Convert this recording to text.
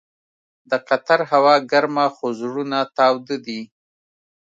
د قطر هوا ګرمه خو زړونه تاوده دي.